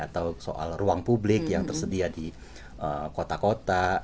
atau soal ruang publik yang tersedia di kota kota